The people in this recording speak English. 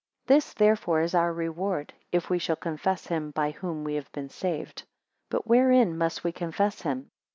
This therefore is our reward, if we shall confess him by whom we have been saved. 11 But, wherein must we confess him?